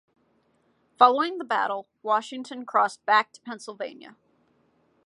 Following the battle, Washington crossed back to Pennsylvania.